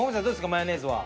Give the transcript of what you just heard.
マヨネーズは？